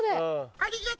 ありがとう。